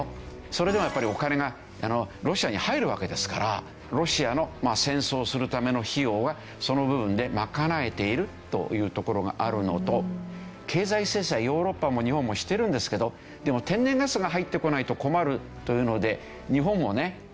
それでもやっぱりお金がロシアに入るわけですからロシアの戦争するための費用はその部分で賄えているというところがあるのと経済制裁ヨーロッパも日本もしてるんですけどでも天然ガスが入ってこないと困るというので日本もね